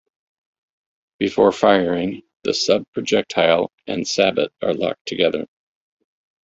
Before firing, the sub-projectile and sabot are locked together.